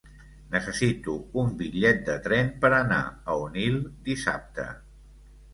Necessito un bitllet de tren per anar a Onil dissabte.